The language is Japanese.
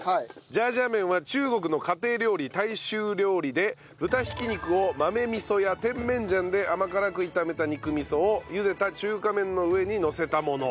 ジャージャー麺は中国の家庭料理大衆料理で豚挽き肉を豆味噌や甜麺醤で甘辛く炒めた肉味噌を茹でた中華麺の上にのせたもの。